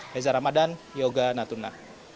hezara madan yoga natuna